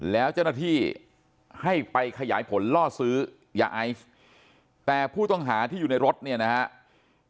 แล้วเจ้าหน้าที่ให้ไปขยายผลล่อซื้อยาไอซ์แต่ผู้ต้องหาที่อยู่ในรถเนี่ยนะครับ